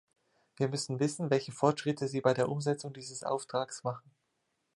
Wir müssen wissen, welche Fortschritte Sie bei der Umsetzung dieses Auftrags machen.